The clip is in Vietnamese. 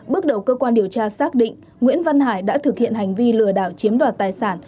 bước đầu cơ quan điều tra xác định nguyễn văn hải đã thực hiện hành vi lừa đảo chiếm đoạt tài sản